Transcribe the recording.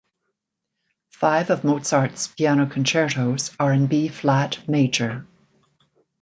Five of Mozart's piano concertos are in B-flat major.